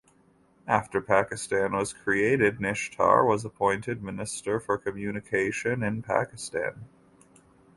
After Pakistan was created, Nishtar was appointed Minister for communication in Pakistan.